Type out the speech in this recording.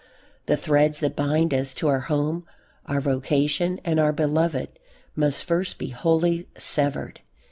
The threads that bind us to our home, our vocation, and our beloved, must first be wholly severed.